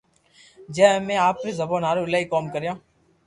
جي امي آپرو زبون ھارو ايلائيڪوم ڪريو